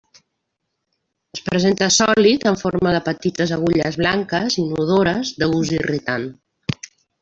Es presenta sòlid en forma de petites agulles blanques, inodores, de gust irritant.